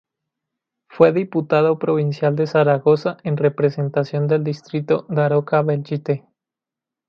Fue Diputado Provincial de Zaragoza en representación del distrito Daroca-Belchite.